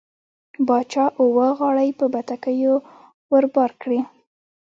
باچا اوه غاړۍ په بتکيو ور بار کړې.